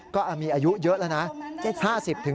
ก็มีอายุเยอะแล้วนะ